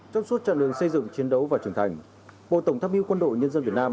trong suốt chặng đường xây dựng chiến đấu và trưởng thành bộ tổng tham mưu quân đội nhân dân việt nam